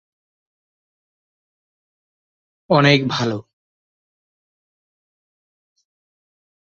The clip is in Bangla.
তিনি তার অভিনয়ের মধ্যে অভিনব ব্যালে নাচের পরিকল্পনা অন্তর্ভুক্ত করেছেন।